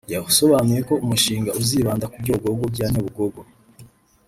yasobanuye ko umushinga uzibanda ku byogogo bya Nyabugogo